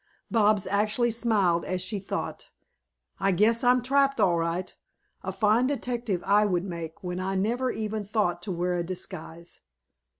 Bobs actually smiled as she thought, "I guess I'm trapped all right. A fine detective I would make when I never even thought to wear a disguise.